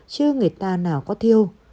chứ người ta nào có thiêu